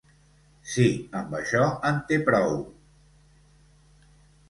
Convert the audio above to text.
Si amb això en té prou...